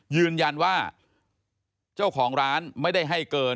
ยืนยันว่าเจ้าของร้านไม่ได้ให้เกิน